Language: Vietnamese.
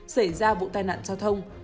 xảy ra vụ tai nạn giao thông